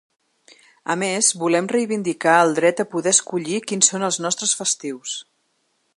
A més, volem reivindicar el dret a poder escollir quins són els nostres festius.